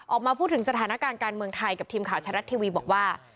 ออกมาพูดถึงสถานการณ์การเมืองไทยกับทีมข่าวชะลัดทีวีบอกว่า